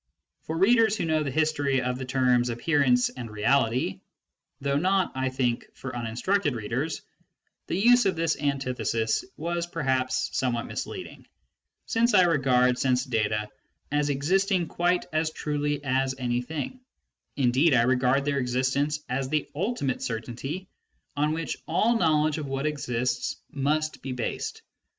For readers who know the history of the terms "appearance " and " reality " though not (I think) for uninstructed readers, the use of this antithesis was perhaps somewhat misleading, since I regard sense data as existing quite as truly as anything, indeed I regard their existence as the ultimate certainty on which all knowledge of what exists must be based.